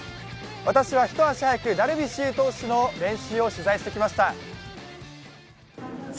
私は一足早くダルビッシュ投手の練習を取材してきました。